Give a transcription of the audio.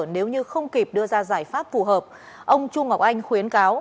nếu như không kịp đưa ra giải pháp phù hợp ông chu ngọc anh khuyến cáo